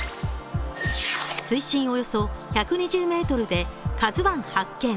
水深およそ１２０ｍで「ＫＡＺＵⅠ」発見。